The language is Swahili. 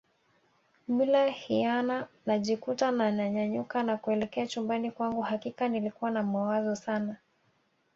Bila hiana nikajikuta na nyanyuka na kuelekea chumbani kwangu hakika nilikuwa na mawazo Sana